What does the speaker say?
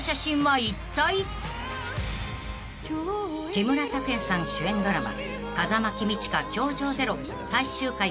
［木村拓哉さん主演ドラマ］